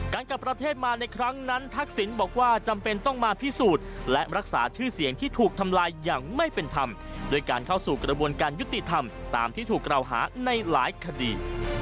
กลับประเทศมาในครั้งนั้นทักษิณบอกว่าจำเป็นต้องมาพิสูจน์และรักษาชื่อเสียงที่ถูกทำลายอย่างไม่เป็นธรรมโดยการเข้าสู่กระบวนการยุติธรรมตามที่ถูกกล่าวหาในหลายคดี